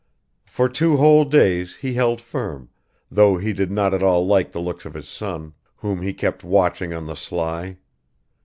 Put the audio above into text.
For two whole days he held firm, though he did not at all like the look of his son, whom he kept watching on the sly